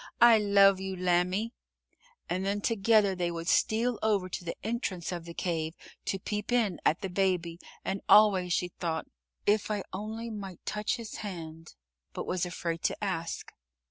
I love you, lambie," and then together they would steal over to the entrance of the cave to peep in at the Baby, and always she thought, "If I only might touch his hand," but was afraid to ask.